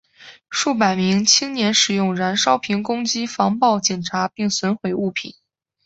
数百名青年使用燃烧瓶攻击防暴警察并损毁物品。